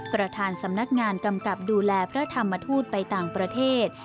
ประธานสำนักงานกำกับดูแลพระธรรมทูตไปต่างประเทศ